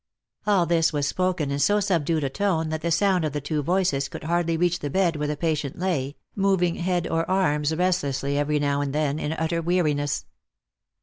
All this was spoken in so subdued a tone that the sound of the two voices could hardly reach the bed where the patient lay, moving head or arms restlessly, every now and then, in utter weariness.